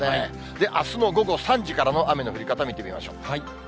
で、あすの午後３時からの、雨の降り方、見てみましょう。